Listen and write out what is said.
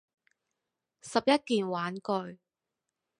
十一件玩具